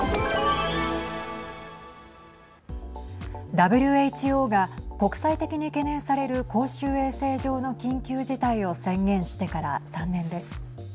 ＷＨＯが国際的に懸念される公衆衛生上の緊急事態を宣言してから３年です。